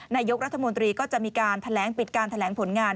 นายกรัฐมนตรีก็จะมีการแถลงปิดการแถลงผลงาน